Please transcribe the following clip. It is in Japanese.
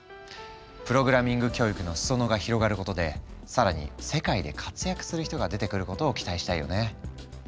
プログラミング教育の裾野が広がることで更に世界で活躍する人が出てくることを期待したいよね。